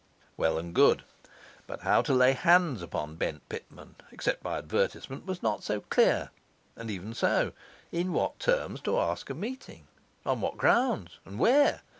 Well and good. But how to lay hands upon Bent Pitman, except by advertisement, was not so clear. And even so, in what terms to ask a meeting? on what grounds? and where?